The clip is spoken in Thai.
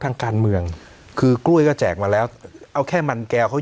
ทางการเมืองคือกล้วยก็แจกมาแล้วเอาแค่มันแก้วเขา